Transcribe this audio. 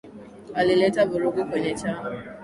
Alileta vurugu kwenye chama